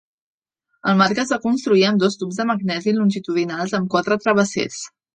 El marc es va construir amb dos tubs de magnesi longitudinals amb quatre travessers.